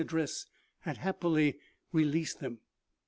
55 address had, happily, released them.